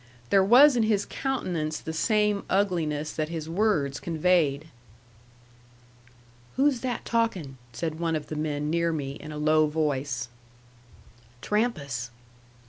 There was in his countenance the same ugliness that his words conveyed. "Who's that talkin'?" said one of the men near me, in a low voice. "Trampas."